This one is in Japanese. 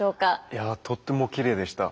いやとってもきれいでした。